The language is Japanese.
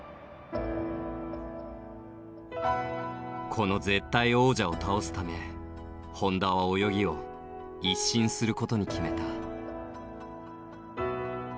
この絶対王者を倒すため本多は泳ぎを一新することに決めた。